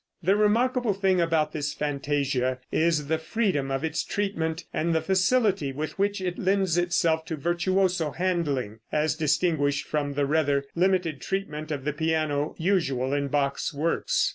The remarkable thing about this fantasia is the freedom of its treatment and the facility with which it lends itself to virtuoso handling, as distinguished from the rather limited treatment of the piano usual in Bach's works.